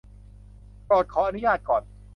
โปรดขออนุญาตก่อน